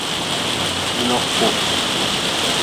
Loku.